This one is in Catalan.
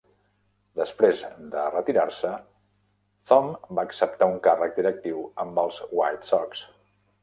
Després de retirar-se, Thome va acceptar un càrrec directiu amb els White Sox.